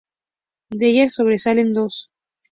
De ellas sobresalen dos.